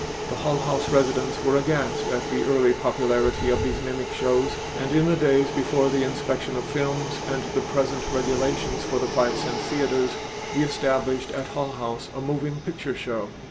The Hull House residents were aghast at the early popularity of these mimic shows, and in the days before the inspection of films and the present regulations for the five cent theaters we established at Hull House a moving picture show.